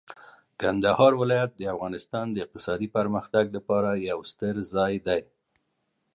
کندهار ولایت د افغانستان د اقتصادي پرمختګ لپاره یو ستر ځای دی.